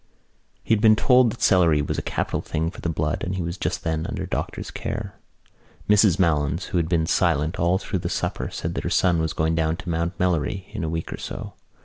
He had been told that celery was a capital thing for the blood and he was just then under doctor's care. Mrs Malins, who had been silent all through the supper, said that her son was going down to Mount Melleray in a week or so.